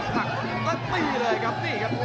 ต่างตัดตัดตีเลยครับนี่ครับ